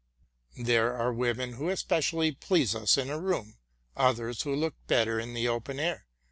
There are women who especially please us in a room, others who look better in the open air.